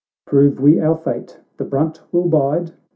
— "Prove we our fate — the brunt we'll bide